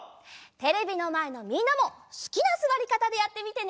テレビのまえのみんなもすきなすわりかたでやってみてね。